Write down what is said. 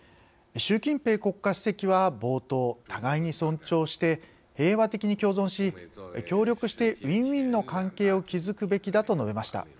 習近平国家主席は冒頭、「互いに尊重して平和的に共存し協力してウィンウィンの関係を築くべきだ」と述べました。